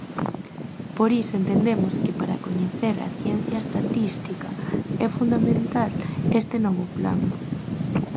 Por iso entendemos que para coñecer a ciencia estatística é fundamental este novo plan.